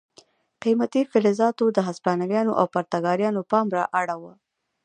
قیمتي فلزاتو د هسپانویانو او پرتګالیانو پام را اړاوه.